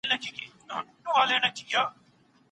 املا د سواد په لاره کي یو مشعل دی.